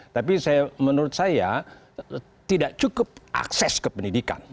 tapi menurut saya tidak cukup akses ke pendidikan